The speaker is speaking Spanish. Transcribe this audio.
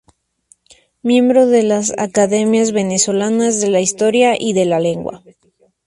Miembro de las academias venezolanas de la Historia y de la Lengua.